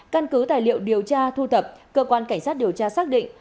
căn cứ tài liệu điều tra thu thập cơ quan cảnh sát điều tra xác định